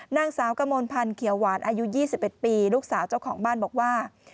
นางสาวกมลพันธ์เขียวหวานอายุ๒๑ปีลูกสาวเจ้าของบ้านบอกว่า